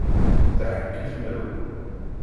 Yettɛekki fell-awen.